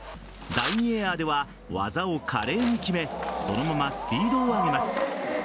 第２エアでは、技を華麗に決めそのままスピードを上げます。